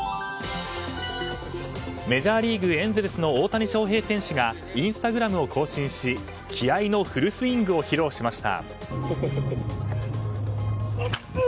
メジャーリーグエンゼルスの大谷翔平選手がインスタグラムを更新し気合のフルスイングを披露しました。